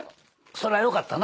そりゃよかったな。